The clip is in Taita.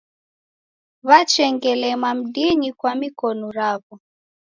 W'achengelema mdinyi kwa mikonu raw'o.